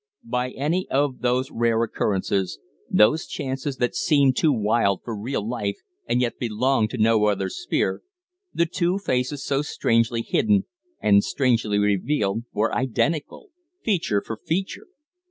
By one of those rare occurrences, those chances that seem too wild for real life and yet belong to no other sphere, the two faces so strangely hidden and strangely revealed were identical, feature for feature.